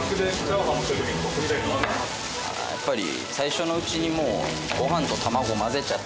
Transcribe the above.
やっぱり。